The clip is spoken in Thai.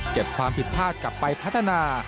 ความผิดพลาดกลับไปพัฒนา